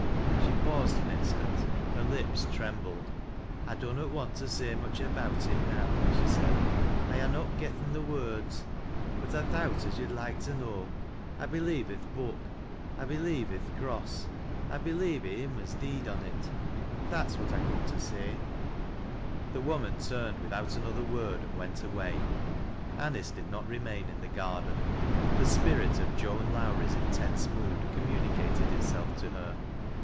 She paused an instant, her lips trembled. " I dunnot want to say much about it now," she fcaid " I ha' not getten th' words. But I thowt as yo'd loil<f to know. ' I believe i' th' Book ; 'I believe i' th' Cross ; J believe i' Him as deed cm it ! That's what I coom to say.' 132 THAT LASS (JP LOWRIIPB. The wcman turned without another word aiid wens away. Anice did not remain in the garden. 'Jhe spirit oJ Joan Lowrie's intense mood communicated itself to hei